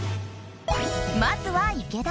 まずは池田。